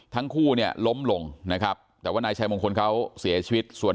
ทั้งคู่ล้มหลงแต่ว่านายชัยมงคลเขาเสียชีวิต